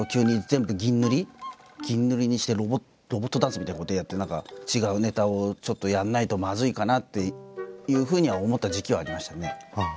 銀塗りにしてロボットダンスみたいなことやって何か違うネタをちょっとやんないとまずいかなっていうふうには思った時期はありましたね。